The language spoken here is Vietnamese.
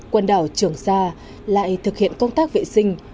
quần đảo trường sa lại thực hiện công tác vệ sinh